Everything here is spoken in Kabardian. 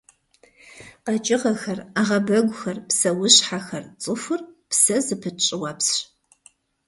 КъэкӀыгъэхэр, Ӏэгъэбэгухэр, псэущхьэхэр, цӀыхур – псэ зыпыт щӀыуэпсщ.